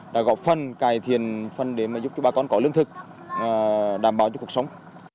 đã gọc phân cải thiện phân để giúp cho bà con có lương thực đảm bảo cho cuộc sống